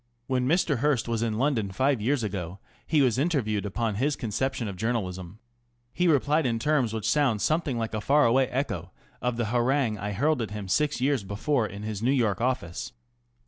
When Mr. Hearst was in London five years ago he was interviewed upon his conception of journalism. He replied in terms which sound something like a far away echo of the harangue I hurled at him six years before in his New York office.